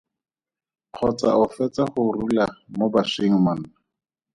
Kgotsa o fetsa go rula mo baswing monna?